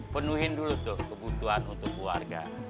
penuhin dulu tuh kebutuhan untuk keluarga